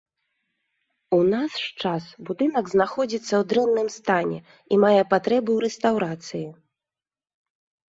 У наш час будынак знаходзіцца ў дрэнным стане і мае патрэбу ў рэстаўрацыі.